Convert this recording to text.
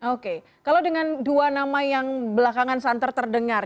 oke kalau dengan dua nama yang belakangan santer terdengar